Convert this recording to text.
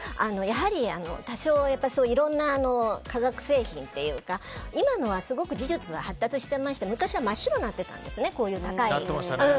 多少はいろんな化学製品というか今のはすごく技術が発達していまして昔は真っ白になってたんですね高いのだと。